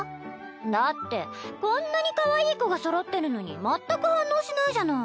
だってこんなにかわいい子がそろってるのに全く反応しないじゃない。